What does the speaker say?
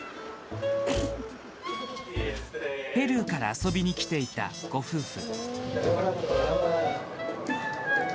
ペルーから遊びに来ていたご夫婦。